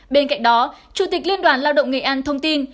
bên cạnh đó chủ tịch liên đoàn lao động nghệ an thông tin